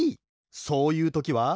そういうときは。